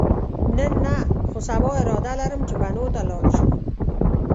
نن نه، خو سبا اراده لرم چې بنو ته لاړ شم.